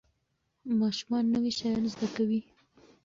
ماشومان نوي شیان زده کوي.